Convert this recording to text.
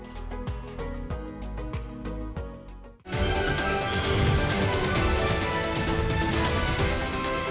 jangan lupa subscribe share dan komen